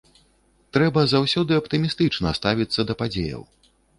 Трэба заўсёды аптымістычна ставіцца да падзеяў.